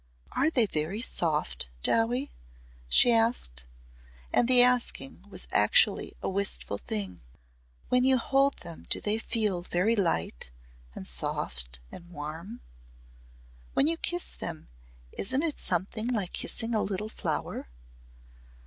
"Are they very soft, Dowie?" she asked and the asking was actually a wistful thing. "When you hold them do they feel very light and soft and warm? When you kiss them isn't it something like kissing a little flower?"